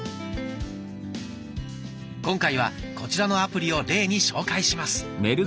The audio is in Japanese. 今回はこちらのアプリを例に紹介します。